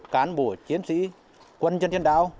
cán bộ chiến sĩ quân dân dân đảo